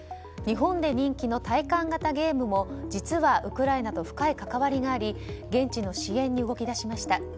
日本で人気の体感型ゲームも実はウクライナと深い関わりがあり現地の支援に動き出しました。